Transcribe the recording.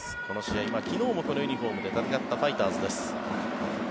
昨日もこのユニホームで戦ったファイターズです。